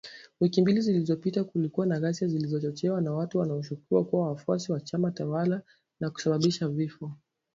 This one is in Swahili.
Wiki mbili zilizopita kulikuwa na ghasia zilizochochewa na watu wanaoshukiwa kuwa wafuasi wa chama tawala na kusababisha vifo.